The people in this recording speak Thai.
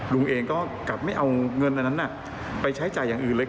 ลุงเองก็กลับไม่เอาเงินอันนั้นไปใช้จ่ายอย่างอื่นเลย